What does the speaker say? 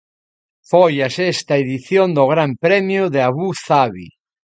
Foi a sexta edición do Gran Premio de Abu Zabi.